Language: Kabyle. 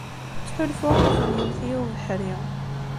Ttḥulfuɣ amzun yewwet-iyi ubeḥri.